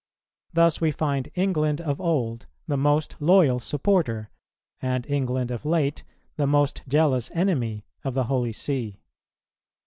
Thus we find England of old the most loyal supporter, and England of late the most jealous enemy, of the Holy See.